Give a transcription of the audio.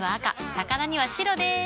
魚には白でーす。